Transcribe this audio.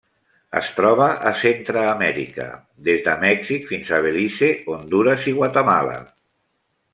Es troba a Centreamèrica: des de Mèxic fins a Belize, Hondures i Guatemala.